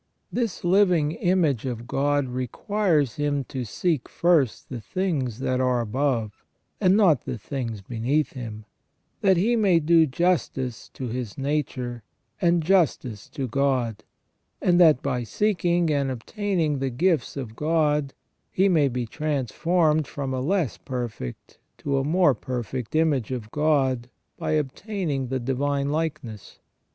This living image of God requires him to seek first the things that are above, and not the things beneath him, that he may do justice to his nature, and justice to God ; and that by seeking and obtaining the gifts of God he may be transformed from a less perfect to a more perfect image of God by obtaining the divine likeness.